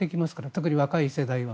特に若い世代は。